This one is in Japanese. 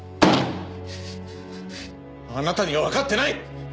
あなたにはわかってない！